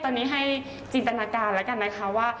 ตอนนี้ให้จินตนาการแล้วกันนะคะว่า